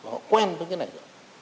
họ quen với cái này rồi